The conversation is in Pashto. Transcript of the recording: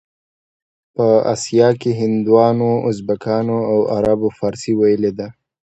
په اسیا کې هندوانو، ازبکانو او عربو فارسي ویلې ده.